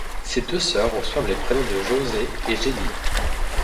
Ses deux sœurs reçoivent les prénoms de Josée et Jenny.